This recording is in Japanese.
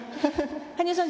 羽生さん